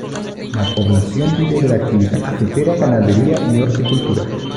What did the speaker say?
La población vive de la actividad cafetera, ganadería y horticultura.